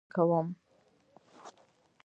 زه د ټکنالوژۍ سم استعمال کوم.